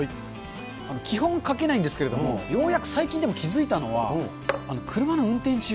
基本、かけないんですけれども、ようやく最近、でも気付いたのは、車の運転中。